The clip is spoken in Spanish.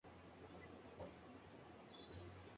Tuvo como discípulo a Adelardo de Bath.